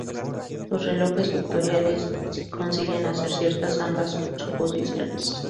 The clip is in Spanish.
Los relojes vectoriales sí consiguen hacer ciertas ambas suposiciones.